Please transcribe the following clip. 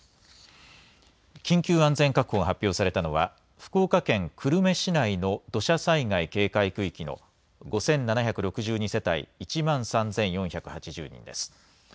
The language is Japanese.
緊急安全確保が発表されたのは福岡県久留米市内の土砂災害警戒区域の５７６２世帯１万３４８０人です。